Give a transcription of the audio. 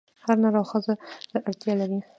هر نر او ښځه اړتیا لري.